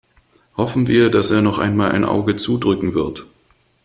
Hoffen wir, dass er noch mal ein Auge zudrücken wird.